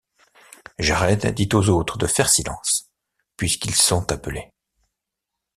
Jared dit aux autres de faire silence, puisqu'ils sont appelés.